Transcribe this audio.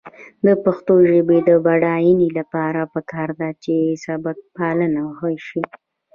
د پښتو ژبې د بډاینې لپاره پکار ده چې سبکپالنه ښه شي.